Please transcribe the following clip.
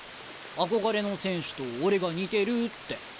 憧れの選手と俺が似てるって。